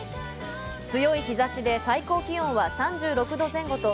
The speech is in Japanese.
強い日差しで、最高気温は３６度前後と